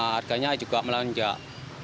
harganya juga melonjak